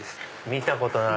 見たことない！